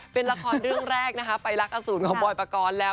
เป็นละครเรื่องแรกนะคะไปรักอสูรของบอยปกรณ์แล้ว